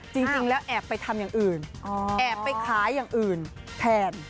แอบไปทำอย่างอื่นแอบไปขายอย่างอื่นแทน